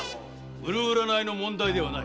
売る売らないの問題ではない。